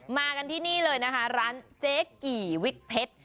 มากันที่นี่เลยนะคะร้านเจ๊กี่วิกเพชร